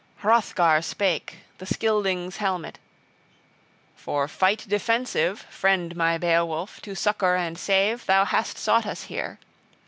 VII HROTHGAR spake, the Scyldings' helmet: "For fight defensive, Friend my Beowulf, to succor and save, thou hast sought us here.